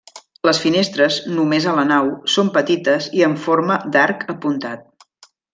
Les finestres, només a la nau, són petites i en forma d'arc apuntat.